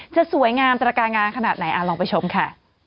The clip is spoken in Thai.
จะสวยงามแต่ละกายงานขนาดไหนอ่ะลองไปชมค่ะ